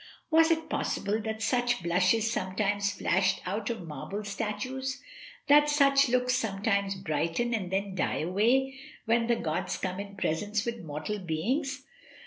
Was it possible that such blushes sometimes flashed out of marble statues — that such looks sometimes brighten and then die away, when the gods come in presence with mortal beings?